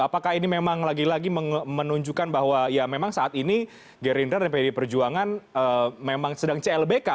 apakah ini memang lagi lagi menunjukkan bahwa ya memang saat ini gerindra dan pd perjuangan memang sedang clbk